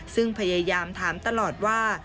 ซึ่งพยายามถามตลอดว่า